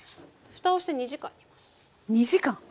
ふたをして２時間煮ます。